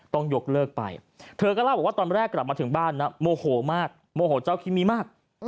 ต้องยกเลิกไปเธอก็เล่าบอกว่าตอนแรกกลับมาถึงบ้านนะโมโหมากโมโหเจ้าคิมิมาก